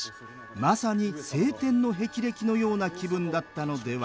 まさに青天の霹靂のような気分だったのでは？